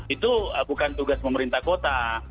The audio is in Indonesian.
itu bukan tugas pemerintah kota